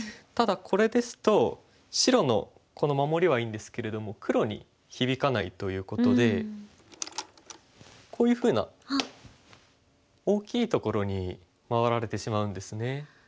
ただこれですと白のこの守りはいいんですけれども黒に響かないということでこういうふうな大きいところに回られてしまうんですね。